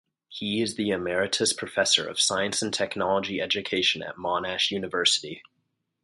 He is the Emeritus Professor of Science and Technology Education at Monash University.